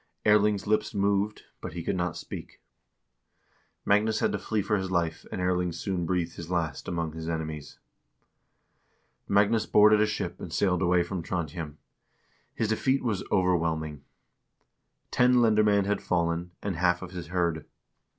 Erling's lips moved, but he could not speak. Magnus had to flee for his life, and Erling soon breathed his last among his enemies. Magnus boarded a ship and sailed away from Trondhjem. His defeat was overwhelming. Ten lendermcend had fallen, and half of his hird.